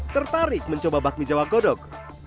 tertarik mencoba bakmi jawa godok